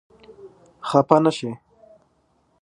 خپه نه شې.